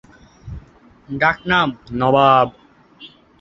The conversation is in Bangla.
ডাক নাম 'নবাব'।